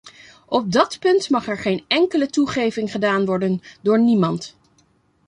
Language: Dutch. Op dat punt mag er geen enkele toegeving gedaan worden door niemand.